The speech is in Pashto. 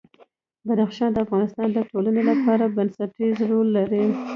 بدخشان د افغانستان د ټولنې لپاره بنسټيز رول لري.